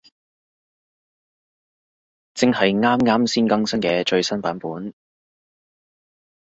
正係啱啱先更新嘅最新版